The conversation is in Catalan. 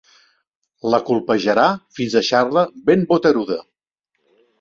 La colpejarà fins deixar-la ben boteruda.